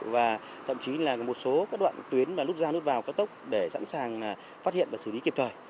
và thậm chí là một số các đoạn tuyến lút ra lút vào các tốc để sẵn sàng phát hiện và xử lý kịp thời